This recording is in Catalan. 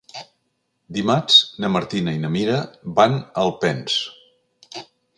Dimarts na Martina i na Mira van a Alpens.